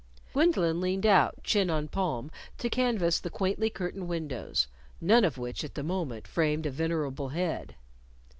Gwendolyn leaned out, chin on palm, to canvass the quaintly curtained windows none of which at the moment framed a venerable head.